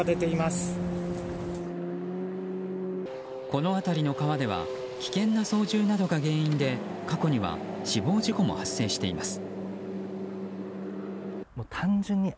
この辺りの川では危険な操縦などが原因で過去には死亡事故も発生しています。